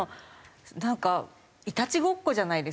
なんかいたちごっこじゃないですか。